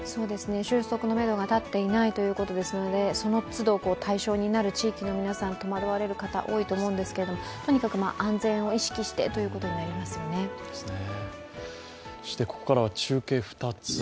収束のめどが立っていないということですので、その都度対象になる地域の皆さん戸惑われることになると思いますけどとにかく安全を意識してということになりますよね。